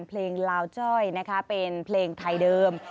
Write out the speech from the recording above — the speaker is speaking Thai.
เพลงลาวจ้อยนะคะเป็นเพลงไทยเดิม